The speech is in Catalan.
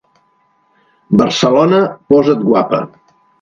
Barcelona, posa't guapa.